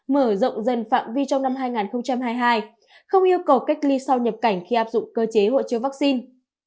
mở rộng dần phạm vi trong năm hai nghìn hai mươi hai không yêu cầu cách ly sau nhập cảnh khi áp dụng cơ chế hội chứa vaccine